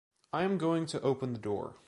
I am going to open the door.